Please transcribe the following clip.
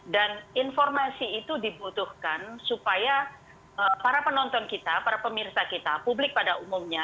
dan informasi itu dibutuhkan supaya para penonton kita para pemirsa kita publik pada umumnya